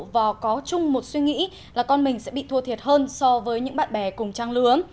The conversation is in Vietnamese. và có chung một suy nghĩ là con mình sẽ bị thua thiệt hơn so với những bạn bè cùng trang lứa